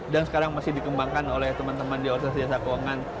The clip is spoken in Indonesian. dan sekarang masih dikembangkan oleh teman teman di orde sajasa keuangan